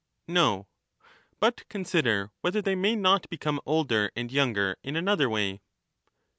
No. But consider whether they may not become older and younger in another way.